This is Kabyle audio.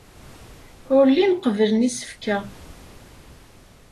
Ur llin qebblen isefka.